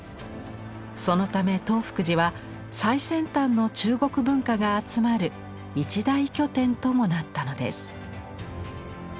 そのため東福寺は最先端の中国文化が集まる一大拠点ともなったのです。